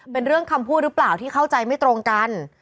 เป็นเรื่องคำพูดหรือเปล่าที่เข้าใจไม่ตรงกัน